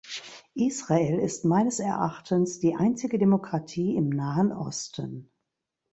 Israel ist meines Erachtens die einzige Demokratie im Nahen Osten.